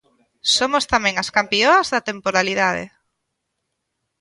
Somos tamén as campioas da temporalidade.